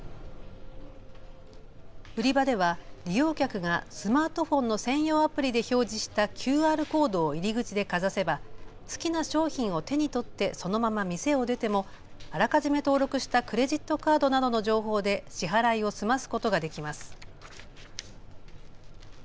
売り場では利用客がスマートフォンの専用アプリで表示したＱＲコードを入り口でかざせば好きな商品を手に取ってそのまま店を出てもあらかじめ登録したクレジットカードなどの情報で支払いを済ますことができます。